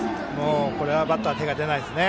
これはバッターは手が出ないです。